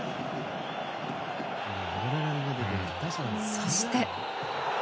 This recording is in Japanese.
そして。